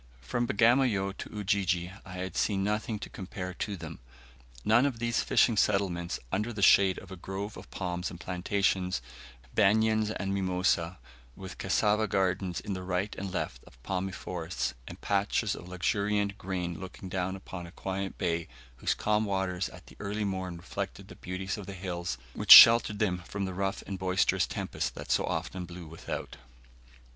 From Bagamoyo to Ujiji I had seen nothing to compare to them none of these fishing settlements under the shade of a grove of palms and plantains, banians and mimosa, with cassava gardens to the right and left of palmy forests, and patches of luxuriant grain looking down upon a quiet bay, whose calm waters at the early morn reflected the beauties of the hills which sheltered them from the rough and boisterous tempests that so often blew without.